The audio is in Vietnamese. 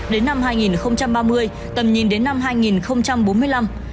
đến năm hai nghìn ba mươi tầm nhìn đến năm hai nghìn bốn mươi năm